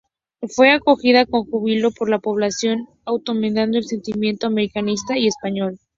Fue acogida con júbilo por la población, aumentando el sentimiento americanista y español.